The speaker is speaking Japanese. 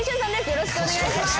よろしくお願いします。